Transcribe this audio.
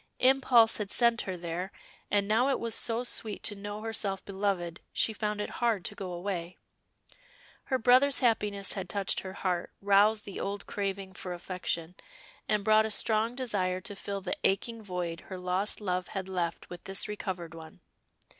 Impulse had sent her there, and now it was so sweet to know herself beloved, she found it hard to go away. Her brother's happiness had touched her heart, roused the old craving for affection, and brought a strong desire to fill the aching void her lost love had left with this recovered one.